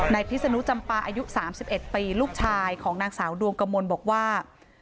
พิศนุจำปาอายุ๓๑ปีลูกชายของนางสาวดวงกมลบอกว่า